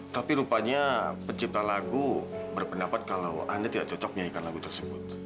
tapi rupanya pencipta lagu berpendapat kalau anda tidak cocok menyanyikan lagu tersebut